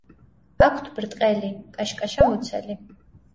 აქვთ ბრტყელი, კაშკაშა მუცელი.